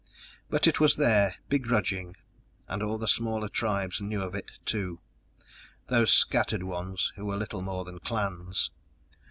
But it was there, begrudging, and all the smaller tribes knew of it too those scattered ones who were little more than clans.